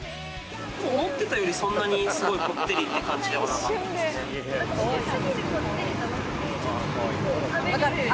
思ってたよりすごいこってりっていう感じではなかったです。